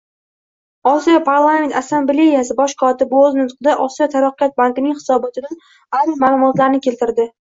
Osiyo Parlament Assambleyasi Bosh kotibi oʻz nutqida Osiyo taraqqiyot bankining hisobotidan ayrim maʼlumotlarni keltirdi.